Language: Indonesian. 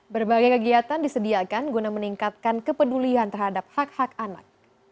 berbagai kegiatan disediakan guna meningkatkan kepedulian terhadap hak hak anak